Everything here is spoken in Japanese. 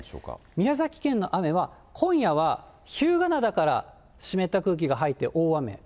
宮崎県の雨は今夜は日向灘から湿った空気が入って大雨。